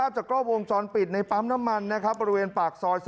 จากกล้อวงจรปิดในปั๊มน้ำมันบริเวณปากซอย๓